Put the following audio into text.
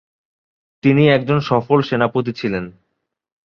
তিনি একজন সফল সেনাপতি ছিলেন।